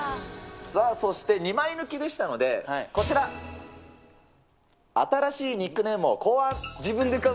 さあ、そして２枚抜きでしたので、こちら、新しいニックネームを考案。